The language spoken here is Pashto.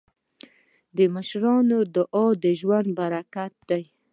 د مشرانو دعا د ژوند برکت دی.